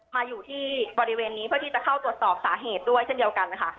มาอยู่ที่บริเวณนี้เพื่อที่จะเข้าตรวจสอบสาเหตุด้วยเช่นเดียวกันค่ะ